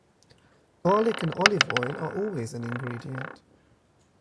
Garlic and olive oil are always an ingredient.